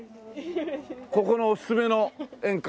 ここのおすすめの演歌。